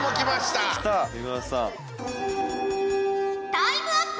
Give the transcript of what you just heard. タイムアップ！